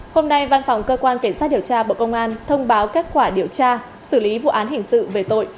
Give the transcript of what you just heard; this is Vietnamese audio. hôm nay văn phòng cơ quan cảnh sát điều tra bộ công an thông báo kết quả điều tra xử lý vụ án hình sự về tội